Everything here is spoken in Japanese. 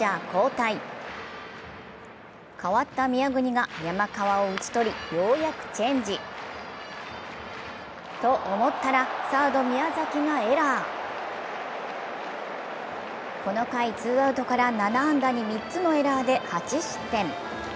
代わった宮國が山川を打ち取り、ようやくチェンジ。と思ったらサード・宮崎がエラーこの回ツーアウトから７安打に３つのエラーで８失点。